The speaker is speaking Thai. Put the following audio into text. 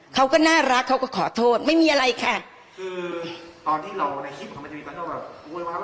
เขาก็น่ารักเขาก็ขอโทษไม่มีอะไรค่ะคือตอนที่เราในคลิปของเขา